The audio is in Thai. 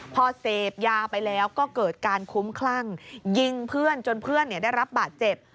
พอเสพยาไปแล้วก็เกิดการคุ้มคลั่งยิงเพื่อนจนเพื่อนได้รับบาดเจ็บ